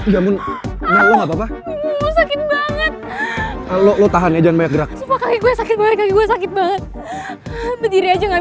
sampai jumpa di video selanjutnya